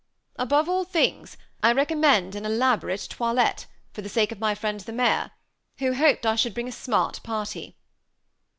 Above all things, I recommend an elaborate toilette, for the sake of my friend the Mayor, who hoped I should bring a * smart party.'